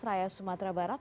raya sumatera barat